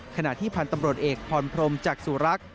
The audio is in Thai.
ขณะที่พันธ์ตำรวจเอกพรพรมจักษุรักษ์